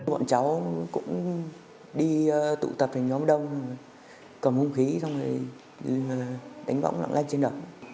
bọn cháu cũng đi tụ tập thành nhóm đông cầm hung khí xong rồi đánh bóng lặng lanh trên đất